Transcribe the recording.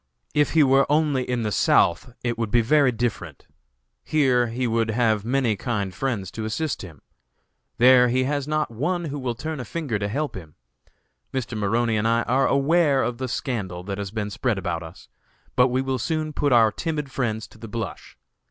If he were only in the South, it would be very different. Here he would have many kind friends to assist him; there he has not one who will turn a finger to help him. Mr. Maroney and I are aware of the scandal that has been spread about us, but we will soon put our timid friends to the blush.